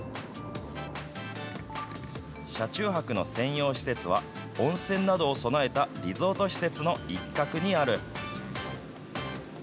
車中泊の専用施設は、温泉などを備えたリゾート施設の一角にある。